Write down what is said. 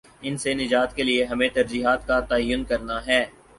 ان سے نجات کے لیے ہمیں ترجیحات کا تعین کرنا ہے۔